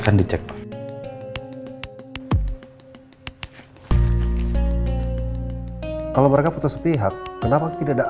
sudah corpo ya udah